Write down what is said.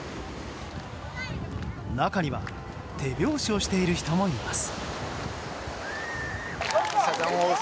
中には手拍子をしている人もいます。